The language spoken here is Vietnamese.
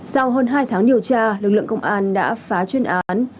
sau hơn hai tháng điều tra lực lượng công an đã phá chuyên án